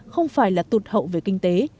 không phải là tụt hậu về kinh tế